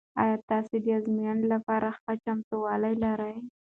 آیا تاسو د ازموینې لپاره ښه چمتووالی لرئ؟